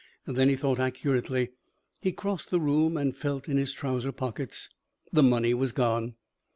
Then he thought accurately. He crossed the room and felt in his trousers pockets. The money was gone.